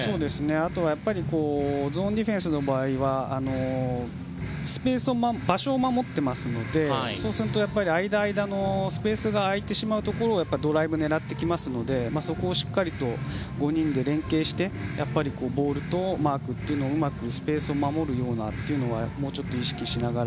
あとはゾーンディフェンスの場合はスペース、場所を守っていますのでそうすると間、間のスペースが空いてしまうところをドライブ狙ってきますのでそこをしっかりと５人で連係してボールとマークをうまくスペースを守るようにもうちょっと意識しながら。